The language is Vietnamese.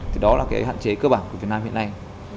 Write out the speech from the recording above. thì đó là cái hạn chế cơ bản của việt nam hiện nay